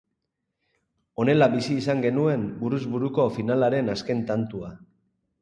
Honela bizi izan genuen buruz buruko finalaren azken tantua.